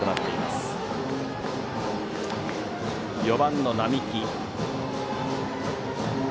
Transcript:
４番の双木。